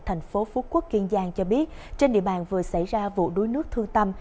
thành phố phú quốc kiên giang cho biết trên địa bàn vừa xảy ra vụ đuối nước thương tâm